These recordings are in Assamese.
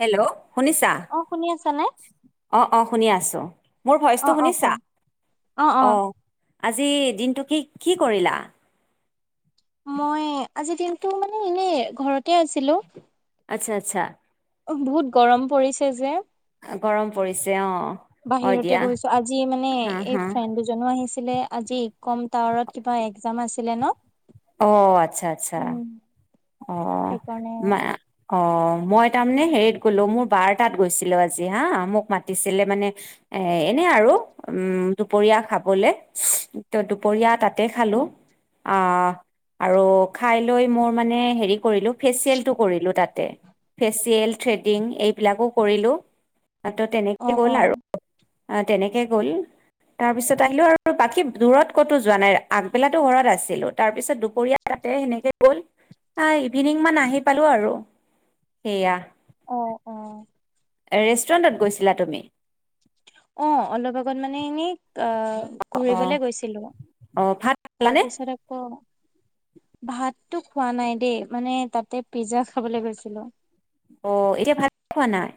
হেল্ল' শুনিছা অ শুনি আছা নে। অ অ শুনি আছো মোৰ অ ভইচটো অ শুনিছা কোৱা অ। আজি দিনটো কি কি কৰিলা। মই আজিৰ দিনটো মানে এনেই ঘৰতে আছিলো। আচ্ছা আচ্ছা বহুত গৰম পৰিছে যে। গৰম পৰিছে অঁ হয় বাহিৰতে দিয়া বহিছো আজি মানে হা এই হা ফ্ৰেড জনো আহিছিলে আজি কম টাৱাৰত কিবা এক্জাম আছিলে ন। অ আচ্ছা আচ্ছা উম অ সেইকাৰণে না অ মই তাৰমানে হেৰিত গ'লো মোৰ বাৰ তাত গৈছিলো আজি হা মোক মাতিছিলে মানে। এ এনে আৰু উম দুপৰীয়া খাবলে ত দুপৰীয়া তাতে খালো। অ আৰু খাই লৈ মোৰ মানে হে কৰিলো ফেচিয়েলটো কৰিলোঁ তাতে ফেচিয়েল থ্ৰেডিং এইবিলাকো কৰিলোঁ। ত অ তেনেকে গ'ল অ আৰু অ তেনেকে গ'ল। তাৰপিছত আহিলো আৰু বাকী দূৰত ক'তো যোৱা নাই আগবেলাটো ঘৰত আছিলো তাৰপিছত দুপৰীয়া তাতে সেনেকে গ'ল। আহ ইভিনিং মান আহি পালো আৰু, সেয়া। অ', অ এ ৰেষ্টুৰেণ্টত গৈছিলা তুমি? অ, অলপ আগত মানে এনেই, আহ অ ঘূৰিবলে গৈছিলো। অ, ভাত খালানে তাৰপিছত আকৌ ভাততো খোৱা নাই দেই, মানে তাতে পিজ্জা খাবলৈ গৈছিলো। অ', এতিয়া ভাত খোৱা নাই?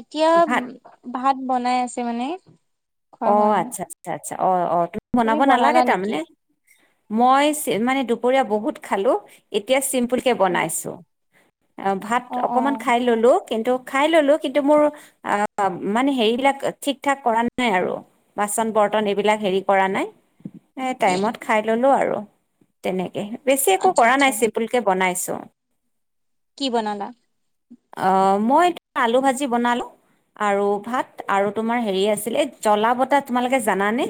এতিয়া উম, ভাত ভাত বনাই আছে মানে। অ, খোৱা হোৱা নাই আচ্ছা আচ্ছা আচ্ছা অ, অ, তুমি বনাব বনালা নালাগে নেকি? তাৰমানে? মই চি মানে দুপৰীয়া বহুত খালো, এতিয়া চিম পুলকে বনাইছোঁ। আ ভাত অ অ অকণমান খাই ল'লোঁ, কিন্তু খাই ললো কিন্তু মোৰ আ মানে হেৰিবলাক ঠিক ঠাক কৰা নাই আৰু। বাচন বৰ্তন এইবিলাক হেৰি কৰা নাই। এ টাইমত খাই ললোঁ আৰু, তেনেকে। বেছি একো আচ্ছা কৰা আচ্ছা নাই চিম্পুলকে বনাইছোঁ। কি বনালা? অ, মই [unintelligible] আলু ভাজি বনালো। আৰু ভাত আৰু তোমাৰ হেৰি আছিল এই জলা বটা তোমালোকে জানানে?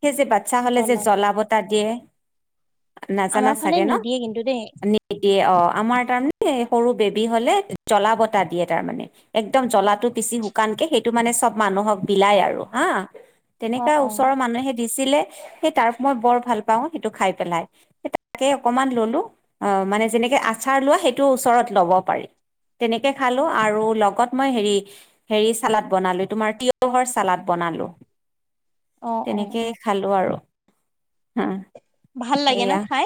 সেই যে বাচ্ছা হ'লে যে জলাভাত জলা বটা দিয়ে। নাজানা আমাৰ ফালে চাগে ন? নিদিয়ে কিন্তু দেই এ দিয়ে অ, আমাৰ তাৰমানে সৰু বেবী হ'লে জলা বটা দিয়ে তাৰমানে। একদম জলাটো পিচি শুকানকে সেইটো মানে চব মানুহক বিলায় আৰু। হাঁ? অ তেনেকা অ ওচৰৰ মানুহে দিছিলে সেই তাৰ মই বৰ ভাল পাওঁ সেইটো খাই পেলাই। সে তাকে অকমান ললোঁ। অ, মানে যেনেকে আচাৰ লোৱা সেইটো ওচৰত লব পাৰি। তেনেকে খালোঁ আৰু লগত মই হেৰি, হেৰি চালাদ বনালো তোমাৰ তিয়হৰ চালাদ। বনালোঁ। অ অ তেনেকেই খালোঁ আৰু, হম। ভাল লাগে ন' খাই?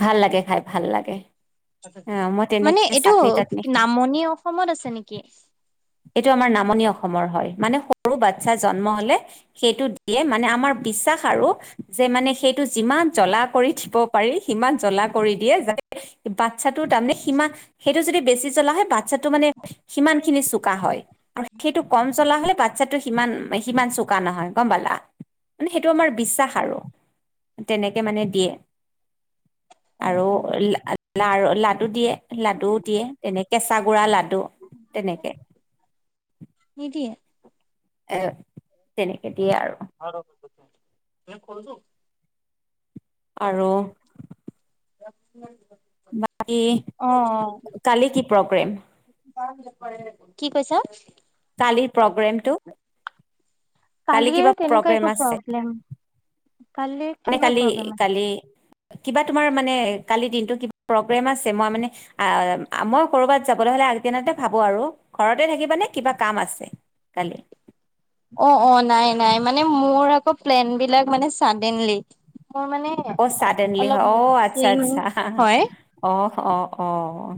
ভাল লাগে খাই ভাল লাগে। অ' মই মানে তেনেকৈ এইটো চাটনি তাটনি খাই নামনি অসমত আছে নেকি? এইটো আমাৰ নামনি অসমৰ হয়। মানে সৰু বাচ্ছা জন্ম হলে সেইটো দিয়ে মানে আমাৰ বিশ্বাস আৰু যে মানে সেইটো যিমান জলা কৰি দিব পাৰি সিমান জলা কৰি দিয়ে যাতে বাচ্ছাটো তাৰমানে সিমা সেইটো যদি বেছি জলা হয় বা চ্ছাটো মানে সিমান খিনি চোকা হয় আৰু সেইটো কম জলা হলে বা চ্ছাটো সিমান সিমান চোকা নহয় গম পালা? মানে সেইটো আমাৰ বিশ্বাস আৰু। তেনেকে মানে দিয়ে। অ আৰু অ লা আ লাৰ লাডু দিয়ে, লাডুও দিয়ে তেনে কেঁচা গুড়া লাডু। তেনেকে। নিদিয়ে? এ, তেনেকে দিয়ে আৰু। [unintelligible] আৰু বাকী অ', অ' কালি কি প্ৰগ্ৰেম [inaudible] কি কৈছা? কালিৰ প্ৰগ্ৰেম টো। কালিয়েই তেনেকুৱা প্ৰগ্ৰেম একো আছে প্ৰব্লেম, কালিৰ [unintelligible] কিহৰ কালি, প্ৰব্লেম আছে? কালি কিবা তোমাৰ মানে কালি দিনটো [unintelligible] প্ৰগ্ৰেম আছে, মই মানে আ, মই ক'ৰবাত যাবলৈ হ'লে আগদিনাতে ভাবোঁ আৰু। ঘৰতে থাকিবা নে কিবা কাম আছে? কাইলে? অ' অ' নাই নাই, মানে মোৰ আকৌ প্লেন বিলাক মানে চাডেনলি। মোৰ মানে‌ অ' চাডেনলি হয়, অ' আচ্ছা আচ্ছা হয় অ' অ' অ'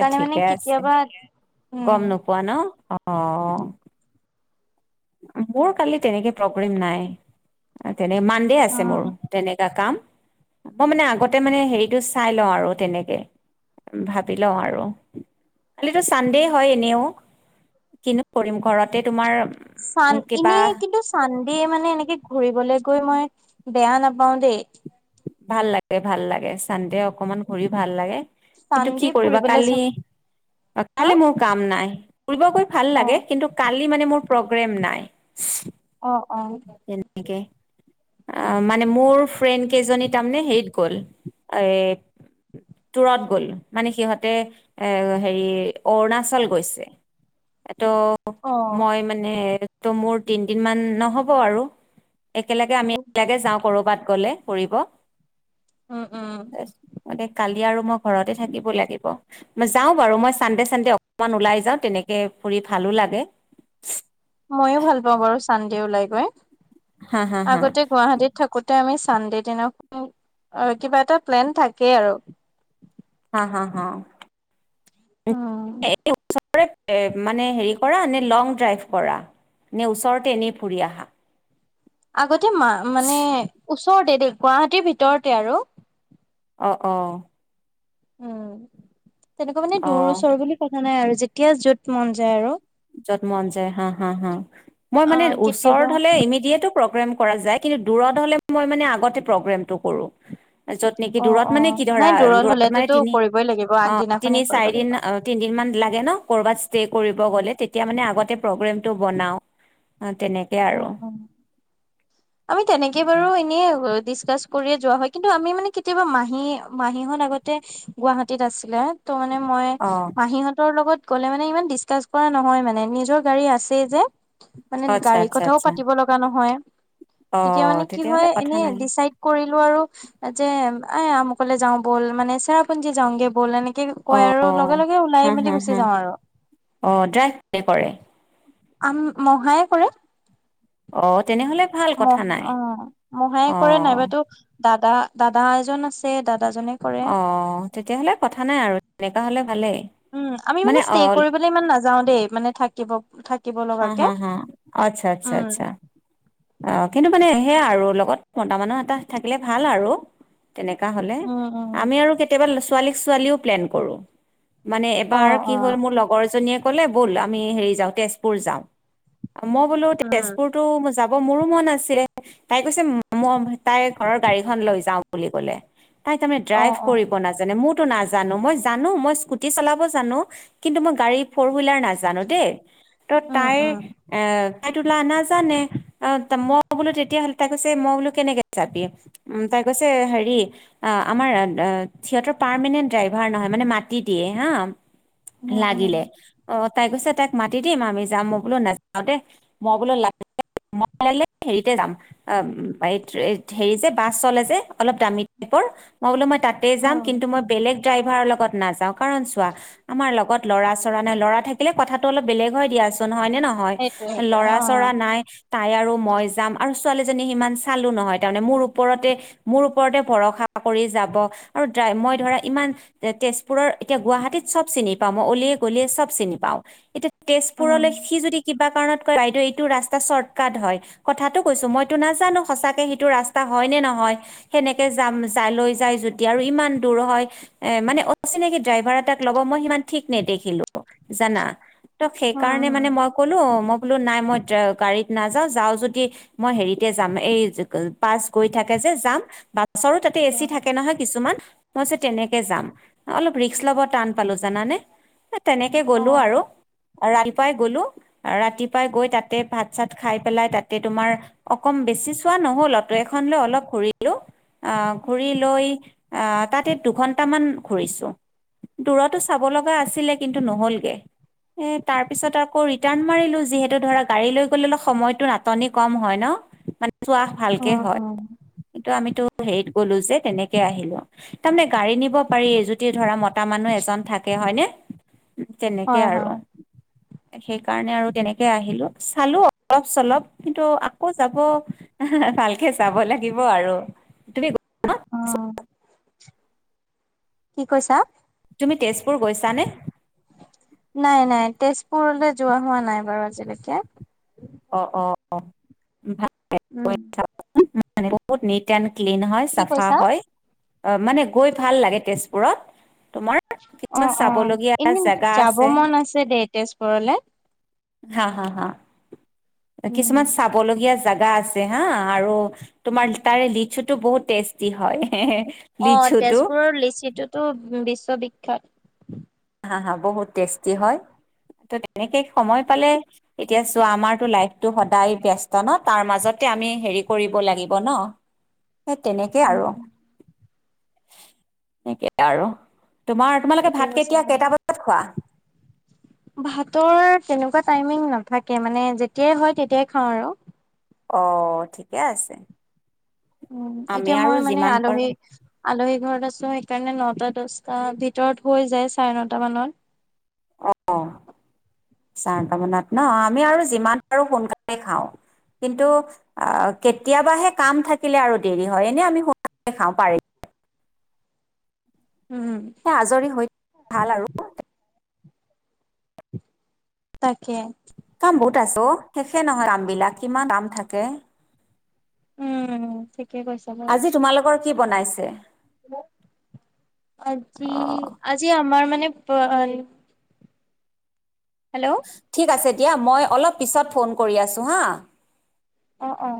এ মানে ঠিকে আছে। কেতিয়াবা উম গম নোপোৱা ন অ‌' মোৰ কালি তেনেকে প্ৰগ্ৰেম নাই। তেনে মানডে আছে অ মোৰ, তেনেকা কাম। মই মানে আগতে মানে হেৰিটো চাই লওঁ আৰু তেনেকে, উম ভাবি লওঁ আৰু। কালিতো চানডেই হয় এনেও, কিনো কৰিম ঘৰতে তোমাৰ চান, কিবা এনেই কিন্তু চানডে মানে এনেকে ঘূৰিবলৈ গৈ মই বেয়া নাপাওঁ দেই। ভাল ভাল লাগে, চানডে অকমান ঘূৰি ভাল লাগে। কিন্তু চানডে কি কৰিবা ফুৰিবলৈ কালি, যাওঁ হা [unintelligible] মোক কাম নাই। ফুৰিব গৈ ভাল লাগে অ', কিন্তু কালি মানে মোৰ প্ৰগ্ৰেম নাই। [inaudible] অ' অ'। [unintelligible] আ, মানে মোৰ ফ্ৰেণ্ড কেইজনী তাৰমানে হেৰিত গ'ল, এ‌ তুৰত গ'ল। ‌ মানে সিহঁতে এ হেৰি অৰুণাচল গৈছে। এইটো, অ', মই মানে এইটো মোৰ তিনদিন মান নহ'ব আৰু। একেলগে আমি একেলগে যাওঁ ক'ৰ'বাত গ'লে, ফুৰিব। উম উম [inaudible] মানে কালি আৰু মই ঘৰতে থাকিব লাগিব। ম‌ই যাওঁ বাৰু, মই চানডে চানডে অকমান ওলাই যাওঁ তেনেকে ফুৰি ভালো লাগে। ময়ো ভাল পাওঁ বাৰু চানডে ওলাই গৈ। হা হা হা আগতে গুৱাহাটীত থাকোতে আমি চানডে দিনা [inaudible] কিবা এটা প্লেন থাকেই আৰু। হা হা হা। উম। [inaudible] মানে হেৰি কৰা নে লং ড্ৰাইভ কৰা? নে ওচৰতে এনেই ফুৰি আহা? আগতে মা মানে ওচৰতে দেই গুৱাহাটীৰ ভিতৰতে আৰু। অ' অ' উম, তেনেকুৱা মানে অ দূৰ ওচৰ বুলি কথা নাই আৰু, যেতিয়া য'ত মন যায় আৰু য'ত মন যায় হা হা হা। মই মানে অ', কেতিয়াবা ওচৰত হ'লে ইমিডিয়েটো - প্ৰগ্ৰেম কৰা যায়, কিন্তু দূৰত হ'লে মই মানে আগতে প্ৰগ্ৰেমটো কৰো। য'ত নেকি অ দূৰত অ মানে কি নাই ধৰা, দূৰত মানে হলেতোতো তিনি, কৰিবই লাগিব অ তিনি আগদিনাখনেই কৰিব চাৰি দিন লাগিব তিন দিন মান লাগে ন, কৰ'বাত ষ্টে কৰিব গ'লে তেতিয়া মানে আগতে প্ৰগ্ৰেমটো বনাও, ‌অ তেনে অ' অ' [inaudible] আমি তেনেকে বাৰু এনেই অব ডিচকাছ কৰিয়ে যোৱা হয়, ‌ কিন্তু আমি মানে কেতিয়াবা মাহী মাহীহঁত আগতে গুৱাহাটীত আছিলে ত' মানে মই অঁ মাহীহঁতৰ লগত গ'লে মানে ইমান ডিচকাচ কৰা নহয় মানে নিজৰ গাড়ী আছেই যে মানে আচ্ছা গাড়ী আচ্ছা আচ্ছা কৰিব লগা নহয়, তেতিয়া অঁ মানে কি তেতিয়াহ'লে হয় কথা এনে নাই ডিচাইদ কৰিলো আৰু যে এ আমুকলে যাও ব'ল মানে চেৰাপুঞ্জী যাওঁগে ব'ল এনে কয় আৰু লগে অঁ লগে ওলাই মেলি গুচি অঁ যাওঁ আৰু। অঁ ড্ৰাইভ কোনে কৰে? আম মহায়ে কৰে। অ তেনেহ'লে ভাল মহ কথা নাই অ মহায়ে কৰে অঁ নাইবাতো দাদা দাদা এজন আছে দাদাজনে কৰে অ তেতিয়াহ'লে কথা নাই আৰু তেনেকুৱা হলে ভালেই। উম আমি মানে ষ্টে কৰিবলৈ ইমান নাযাও দেই মানে থাকিব থাকিব হা হা লগাকে। হা আচ্ছা আচ্ছা উম আচ্ছা। অ কিন্তু মানে সেয়া আৰু লগত মতা মানুহ এটা থাকিলে ভাল আৰু। তেনেকুৱা হ'লে উম উম আমি আৰু কেতিয়াবা ছোৱালীক ছোৱালীও প্লেন কৰোঁ। মানে অ এবাৰ কি অ হ'ল মোৰ লগৰজনীয়ে ক'লে ব'ল আমি হেৰি যাওঁ তেজপুৰ যাওঁ। মই বোলো উম তেজপুৰতো যাব মোৰো মন আছে তাই কৈছে মই তাই ঘৰৰ গাড়ীখন লৈ যাও বুলি ক'লে তাই তাৰমানে অ ড্ৰাইভ অ কৰিব নাজা মইওতো নাজানো মই জানো মই স্কুটি চলাব জানো। কিন্তু মই গাড়ী ফ'ৰ হুইলাৰ নাজানো দেই। ত' উম তাই উম এ তাই তোলা নাজানে। অ মই বোলো তেতিয়াহলে তাই কৈছে মই বোলো কেনেকে যাবি উম তাই কৈছে হেৰি অ আমাৰ সিহঁতৰ পাৰ্মেণ্ট ড্ৰাইভাৰ নহয় মানে মাতি দিয়ে হা উম উম লাগিলে অ তাই কৈছে তাইক মাতি দিম আমি যাম মই বোলো নাযাওঁ দেই মই বোলো ল মই লাগিলে হেৰিতে যাম। অ এই হেৰি যে বাছ চলে যে অলপ দামী টাইপৰ মই বোলো মই তাত তাতেই যাম উম কিন্তু মই বেলেগ ড্ৰাইভাৰৰ লগত নাযাওঁ কাৰণ চোৱা আমাৰ লগত ল'ৰা চৰা নাই ল'ৰা থাকিলে কথাটো অলপ বেলেগ হৈ দিয়াচোন হয় নে ন হয় সেইটোৱে সেইটোৱে ল'ৰা অ চৰা নাই। তাই আৰু মই যাম আৰু ছোৱালীজনী সিমান চালো নহয় তাৰমানে মোৰ ওপৰতে মোৰ ওপৰতে ভৰসা কৰি যাব আৰু ড্ৰাই মই ধৰা ইমান তেজপুৰৰ এতিয়া গুৱাহাটীত চব চিনি পাওঁ মই অলিয়ে গলিয়ে চব চিনি পাওঁ এতিয়া উম তেজপুৰলৈ সি যদি কিবা কাৰণত কয় বাইদেউ এইটো ৰাস্তা চৰ্ট কাট হয়। কথাটো কৈছো মইতো নাজানো সঁচাকে সেইটো ৰাস্তা হয় নে? নহয় সেনেকে যাম যাই লৈ যায় যদি আৰু ইমান দূৰ হয় এ, মানে অচিনাকি ড্ৰাইভাৰ এটাক ল'ব মই সিমান ঠিক নে দেখিলোঁ, জানা, ত উম সেইকাৰণে মানে উম মই ক'লো মই বোলো নাই মই ড্ৰাই গাড়ীত নাযাও, যাওঁ যদি, মই হেৰিতে যাম এই বাছ গৈ থাকে যে যাম, বা বাছৰো তাতে এচি উম থাকে নহয় কিছুমান মই পিচে তেনেকে যাম। অলপ ৰিস্ক লব টান পালো জানানে তেনেকে অ গ'লো আৰু, ৰাতিপুৱাই গ'লো। ৰাতিপুৱাই গৈ তাতে ভাত চাত খাই পেলাই তাতে তোমাৰ, অকম বেছি চোৱা নহ'ল অ'ট এখন লৈ অলপ ঘূৰি লো, অহ ঘূৰি লৈ, আহ তাতে দুঘন্টামান ঘুৰিছো। দূৰতো চাব লগা আছিলে কিন্তু নহ'লগে। এ, তাৰ পিছত আকৌ ৰিটাৰ্ণ মাৰিলো যিহেতু ধৰা গাড়ী লৈ ফুৰিবলৈ সময়টো নাটনি কম হয় ন? মানে - চোৱা ভালকে উম হয়। উম কিন্তু আমিতো হেৰিত গ'লো যে তেনেকে আহিলো- তাৰমানে গাড়ী নিব পাৰি যদি ধৰা মতা মানুহ এজন থাকে, হয় নে? উম, তেনেকে হয় আৰু। হয় সেই কাৰণে আৰু তেনেকে আহিলোঁ। চালো অলপ -চলপ। কিন্তু আকৌ যাব, ভালকে যাব লাগিব আৰু। তুমি অঁ, কি কৈছা? তুমি তেজপুৰ গৈছানে? নাই- নাই, তেজপুৰলৈ যোৱা হোৱা নাই বাৰু আজিলৈকে। অঁ, অঁ, অঁ, ভাল উম [inaudible] বহুত নিট এণ্ড ক্লিন হয়, কি চাফা কৈছা হয়। অঁ, মানে গৈ ভাল লাগে তেজপুৰত। তোমাৰ- কিছুমান অঁ, অঁ, চাবলগীয়া এনেই জেগা যাব আছে, মন আছে দেই তেজপুৰলে। হা, হা, হা, উম, কিছুমান চাবলগীয়া জাগা আছে হা আৰু- তোমাৰ তাৰে লিচুটো বহুত টেষ্টি হয়। অঁ, লিচুটো তেজপুৰৰ লিচিটোতো বিশ্ববিখ্যাত। হা -হা বহুত টেষ্টি হয়। তো তেনেকে সময় পালে- এতিয়া চোৱা আমাৰটো লাইফতটো সদায় ব্যস্ত ন? তাৰ মাজতে আমি হেৰি কৰিব লাগিব ন? [inaudible] সেই তেনেকে উম, আৰু, উম, যেনেকে আৰু। তোমাৰ- তোমালোকে ঠিকে ভাত কৈছা কেতিয়া, বাৰু। কেইটা বজাত খোৱা? ভাতৰ তেনেকুৱা টাইমিং নাথাকে মানে যেতিয়াই হয় তেতিয়াই খাওঁ আৰু। অঁ, ঠিকে আছে। উম, আমি এতিয়া আৰু মই মানে যিমান পাৰো আলহী- আলহী ঘৰত আছোঁ, সেইকাৰণে নটা -দহটা ভিতৰত হৈ যায় চাৰে নটা মানত। অঁ, অঁ চাৰে নটা মানত ন। আমি আৰু যিমান পাৰোঁ সোনকালে খাওঁ। কিন্তু আ কেতিয়াবাহে কাম থাকিলে আৰু দেৰি হয়, এনে আমি সোনকালেই খাওঁ পাৰিলে। উম। আজৰি হৈ ভাল আৰু। তাকে। কাম বহুত আছে অঁ, শেষে নহয় কাম বিলাক, কিমান কাম থাকে! উম, ঠিকে কৈছ। আজি তোমালোকৰ কি বনাইছে? আজি, অ আজি আমাৰ মানে- হেল্ল'। ঠিক আছে দিয়া, মই অলপ পিছত ফোন কৰি আছোঁ হা। অঁ, অঁ।